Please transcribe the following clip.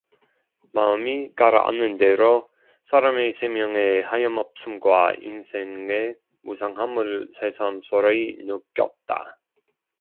마음이 가라앉는 대로 사람의 생명의 하염없음과 인생의 무상함을 새삼스러이 느꼈다.